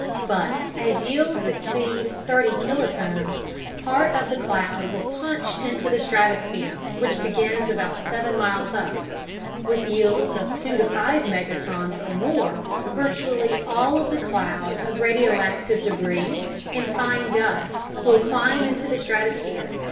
But as yields exceed 30 kilotons, part of the cloud will punch into the stratosphere, which begins about 7 miles up. With yields of 2 5 megatons or more, virtually all of the cloud of radioactive debris and fine dust will climb into the stratosphere.